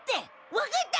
分かった！